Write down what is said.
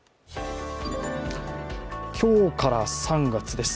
今日から３月です。